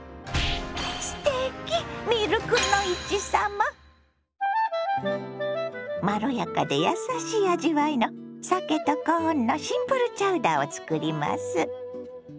まろやかでやさしい味わいのさけとコーンのシンプルチャウダーを作ります。